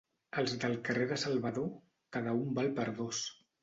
Els del carrer de Salvador, cada un val per dos.